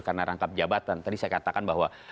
karena rangkap jabatan tadi saya katakan bahwa